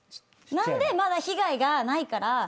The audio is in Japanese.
なんでまだ被害がないから。